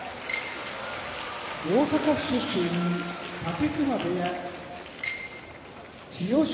大阪府出身武隈部屋千代翔